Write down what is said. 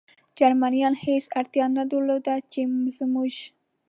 جرمنیانو هېڅ اړتیا نه درلوده، چې زموږ.